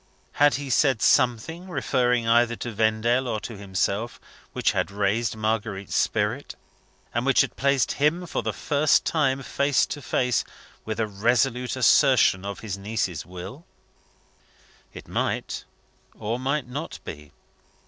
Had he said something, referring either to Vendale or to himself, which had raised Marguerite's spirit, and which had placed him, for the first time, face to face with a resolute assertion of his niece's will? It might or might not be.